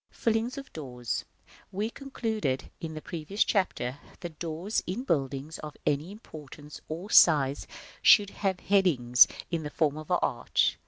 1. Fillings of doors. We concluded, in the previous Chapter, that doors in buildings of any importance or size should have headings in the form of an arch.